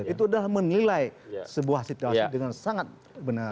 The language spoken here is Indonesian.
itu adalah menilai sebuah situasi dengan sangat benar